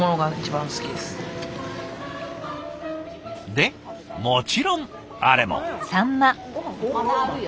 でもちろんあれも。